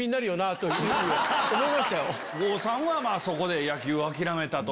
郷さんはそこで野球を諦めたと。